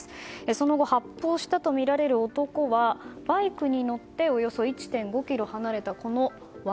その後、発砲したとみられる男がバイクに乗っておよそ１．５ｋｍ離れたこの蕨